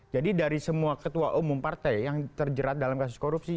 jadi dari semua ketua umum partai yang terjerat dalam kasus korupsi